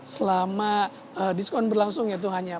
selama diskon berlangsung ya tuhan ya